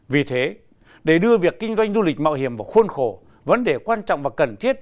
vì thế để đưa việc kinh doanh du lịch mạo hiểm vào khuôn khổ vấn đề quan trọng và cần thiết